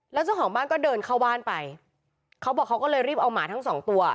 แล้วเจ้าของบ้านก็เดินเข้าบ้านไปเขาบอกเขาก็เลยรีบเอาหมาทั้งสองตัว